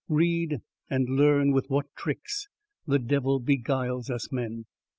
Read, and learn with what tricks the devil beguiles us men.